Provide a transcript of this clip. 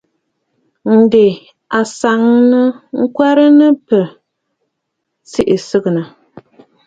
Ǹdè a nsaŋnə ŋkwɛrə nɨ̂ bə̂ tsiʼì sɨgɨ̀nə̀.